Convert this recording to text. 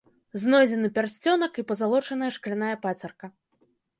Знойдзены пярсцёнак і пазалочаная шкляная пацерка.